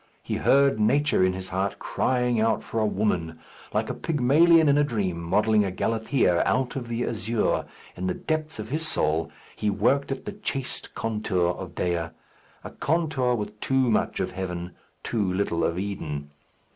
He heard nature in his heart crying out for a woman. Like a Pygmalion in a dream modelling a Galathea out of the azure, in the depths of his soul he worked at the chaste contour of Dea a contour with too much of heaven, too little of Eden.